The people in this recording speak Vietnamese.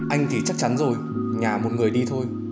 anh thì chắc chắn rồi nhà một người đi thôi